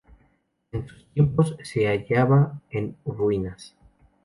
En sus tiempos, se hallaba en ruinas.